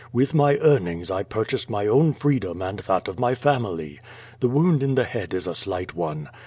With my earnings I purchased my own freedom and that of my family. The wound in the head is a slight one.